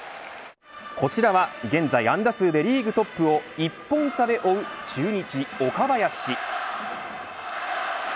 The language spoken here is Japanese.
こちらは、現在安打数でリーグトップを１本差で追う中日、岡林。